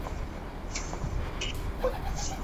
毛里求斯艳织雀是毛里求斯特有的一种鸟。